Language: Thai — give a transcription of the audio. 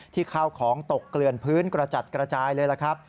ข้าวของตกเกลื่อนพื้นกระจัดกระจายเลยล่ะครับ